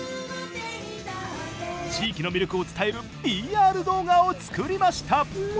地域の魅力を伝えるＰＲ動画を作りました。